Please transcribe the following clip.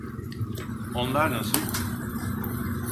Onlar nasıl?